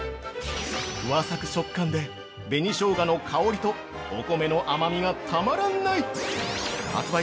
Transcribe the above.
ふわさく食感で、紅生姜の香りとお米の甘みがたまらない発売